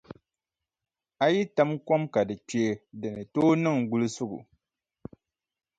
A yi tam kom ka di kpee di ni tooi niŋ gulisigu.